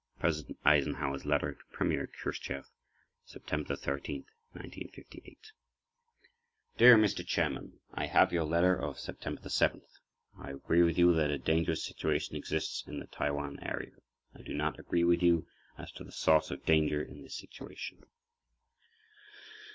President Eisenhower's Letter to Premier Khrushchev, September 13, 1958 Return to Table of Contents Dear Mr. Chairman: I have your letter of September 7. I agree with you that a dangerous situation exists in the Taiwan area. I do not agree with you as to the source of danger in this situation.